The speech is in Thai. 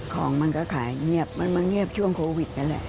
ของมันก็ขายเงียบมันมาเงียบช่วงโควิดนั่นแหละ